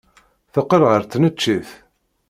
Teqqel ɣer tneččit.